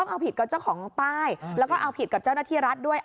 เอาผิดกับเจ้าของป้ายแล้วก็เอาผิดกับเจ้าหน้าที่รัฐด้วย